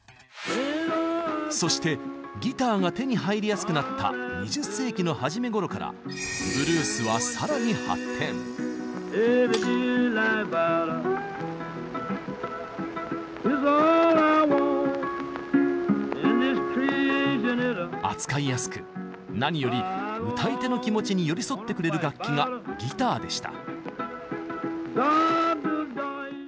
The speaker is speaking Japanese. そしてギターが手に入りやすくなった２０世紀の初めごろからブルースは扱いやすく何より歌い手の気持ちに寄り添ってくれる楽器がギターでした。